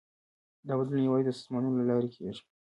دا بدلون یوازې د سازمانونو له لارې کېږي.